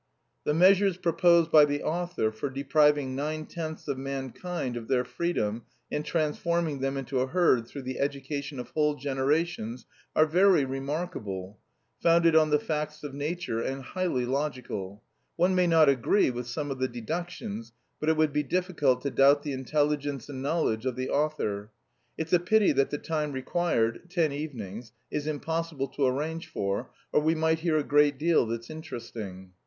The measures proposed by the author for depriving nine tenths of mankind of their freedom and transforming them into a herd through the education of whole generations are very remarkable, founded on the facts of nature and highly logical. One may not agree with some of the deductions, but it would be difficult to doubt the intelligence and knowledge of the author. It's a pity that the time required ten evenings is impossible to arrange for, or we might hear a great deal that's interesting."